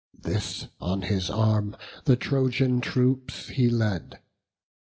This on his arm, the Trojan troops he led.